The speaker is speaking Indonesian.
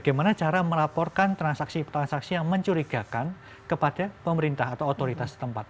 bagaimana cara melaporkan transaksi transaksi yang mencurigakan kepada pemerintah atau otoritas tempat